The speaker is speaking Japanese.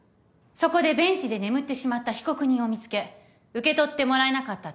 そこでベンチで眠ってしまった被告人を見つけ受け取ってもらえなかった